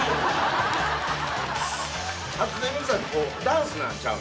初音ミクさんってこうダンスなんちゃう？